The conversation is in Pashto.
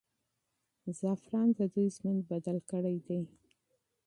زعفران د دوی ژوند بدل کړی دی.